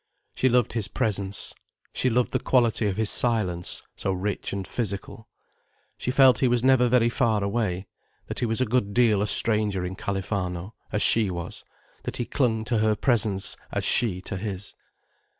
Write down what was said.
She loved his presence. She loved the quality of his silence, so rich and physical. She felt he was never very far away: that he was a good deal a stranger in Califano, as she was: that he clung to her presence as she to his.